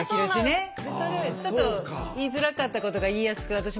ちょっと言いづらかったことが言いやすく私もよくなるし。